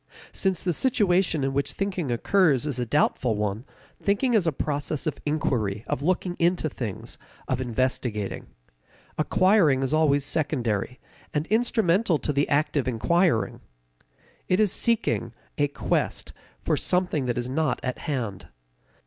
Since the situation in which thinking occurs is a doubtful one, thinking is a process of inquiry, of looking into things, of investigating. Acquiring is always secondary, and instrumental to the act of inquiring. It is seeking, a quest, for something that is not at hand.